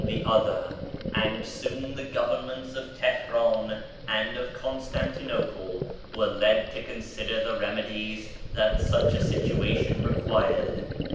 62 BAHAISM and soon the governments of Tihran and of Constantinople were led to consider the remedies that such a situation required.